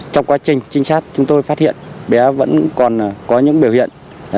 trong quá trình trinh sát chúng tôi phát hiện bé vẫn còn có những biểu hiện